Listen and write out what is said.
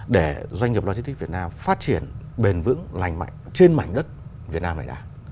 để doanh nghiệp logistics việt nam phát triển bền vững lành mạnh trên mảnh đất việt nam này đã